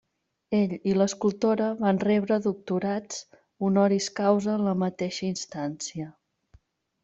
Ell i l'escultora van rebre doctorats honoris causa en la mateixa instància.